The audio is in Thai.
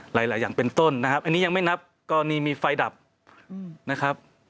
หลายอย่างเป็นต้นนะครับอันนี้ยังไม่นับกรณีมีไฟดับนะครับ